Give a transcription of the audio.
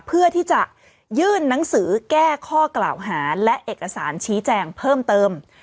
เพื่อที่จะยื่นหนังสือแก้ข้อกล่าวหาและเอกสารชี้แจงเพิ่มเติม